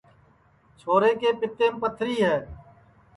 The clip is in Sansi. چھورے کے پِتیم پتھری ہے